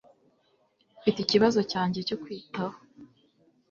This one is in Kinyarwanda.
Mfite ikibazo cyanjye cyo kwitaho.